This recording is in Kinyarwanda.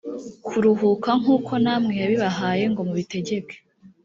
kuruhuka nk’uko namwe yabibahaye ngo mubitegeke